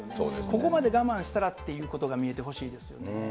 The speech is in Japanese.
ここまで我慢したらというのが見えてほしいですよね。